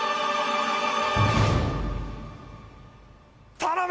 頼む！